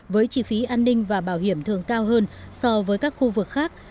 với chi phí an ninh và bảo hiểm thường cao hơn so với các khu vực khác